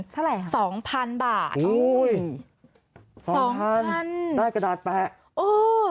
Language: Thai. เท่าไหร่ค่ะสองพันบาทโอ้ยสองพันได้กระดาษแปะโอ้